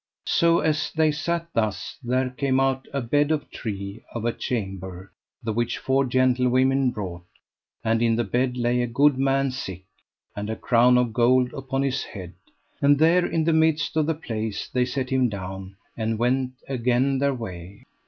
So as they sat thus there came out a bed of tree, of a chamber, the which four gentlewomen brought; and in the bed lay a good man sick, and a crown of gold upon his head; and there in the midst of the place they set him down, and went again their way.